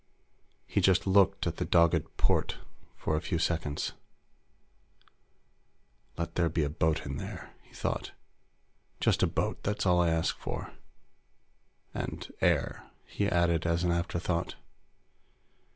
He just looked at the dogged port for a few seconds. Let there be a boat in there, he thought. Just a boat, that's all I ask. And air, he added as an afterthought.